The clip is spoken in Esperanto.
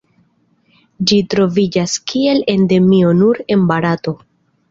Ĝi troviĝas kiel Endemio nur en Barato.